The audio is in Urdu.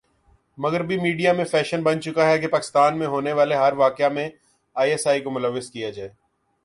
مغربی میڈیا میں فیشن بن چکا ہے کہ پاکستان میں ہونے والےہر واقعہ میں آئی ایس آئی کو ملوث کیا جاۓ